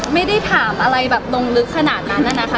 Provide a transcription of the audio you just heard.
ไม่ได้ถามอะไรแบบลงลึกขนาดนั้นนะคะ